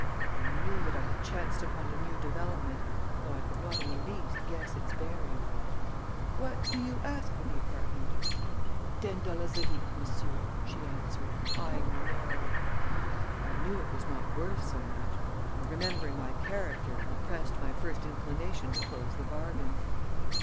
I knew that I had chanced upon a new development, though I could not in the least guess its bearing. "What do you ask for the apartment?" "Ten dollars the week, monsieur," she answered, eying me narrowly. I knew it was not worth so much, and, remembering my character, repressed my first inclination to close the bargain.